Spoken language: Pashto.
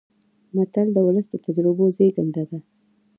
متل د ولس د تجربو زېږنده ده